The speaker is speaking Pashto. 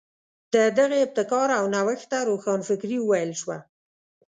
د دغې ابتکار او نوښت ته روښانفکري وویل شوه.